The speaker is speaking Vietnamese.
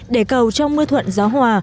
để cầu trong mưa thuận gió hòa